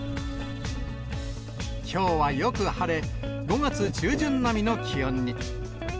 きょうはよく晴れ、５月中旬並みの気温に。